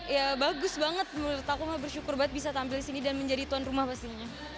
ya bagus banget menurut aku mah bersyukur banget bisa tampil di sini dan menjadi tuan rumah pastinya